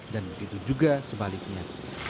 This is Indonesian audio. dan begitu juga sebaliknya